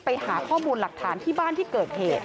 ไปหาข้อมูลหลักฐานที่บ้านที่เกิดเหตุ